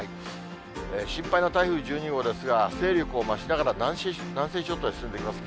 心配な台風１２号ですが、勢力を増しながら、南西諸島へ進んでいきます。